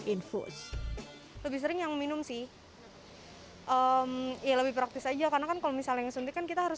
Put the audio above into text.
infus lebih sering yang minum sih ya lebih praktis aja karena kan kalau misalnya suntik kan kita harus